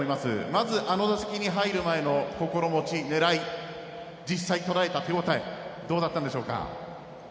まず、あの打席に入る前の心持ち、狙い実際とらえた手応えはどうだったんでしょうか？